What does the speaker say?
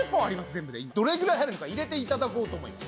全部でどれぐらい入るのか入れていただこうと思います。